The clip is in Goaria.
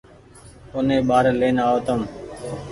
اوني ٻآري لين آئو تم